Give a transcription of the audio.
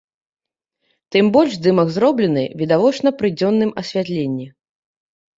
Тым больш здымак зроблены, відавочна, пры дзённым асвятленні.